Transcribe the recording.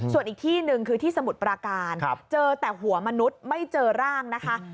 ส่วนอีกที่หนึ่งคือที่สมุทรปราการเจอแต่หัวมนุษย์ไม่เจอร่างนะคะ